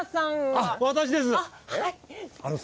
あぁ私です。